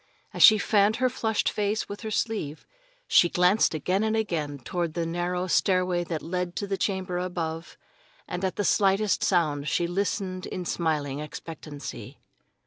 As she fanned her flushed face with her sleeve, she glanced again and again toward the narrow stairway that led to the chamber above, and at the slightest sound she listened in smiling expectancy.